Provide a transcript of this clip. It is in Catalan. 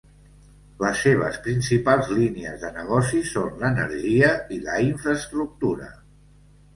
Les seves principals línies de negoci són l'energia i la infraestructura.